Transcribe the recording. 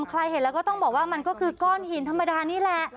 ใครเห็นแล้วก็ต้องบอกว่ามันก็คือก้อนหินธรรมดานี่แหละ